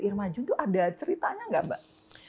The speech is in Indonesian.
irma jun tuh ada ceritanya gak mbak